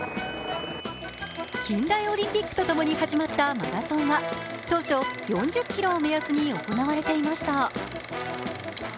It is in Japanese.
近代オリンピックと共に始まったマラソンは当初４０ｋｍを目安に行われていました。